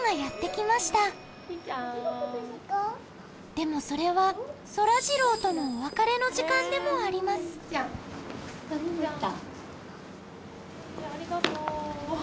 でもそれはそらジローとのお別れの時間でもありますありがとう。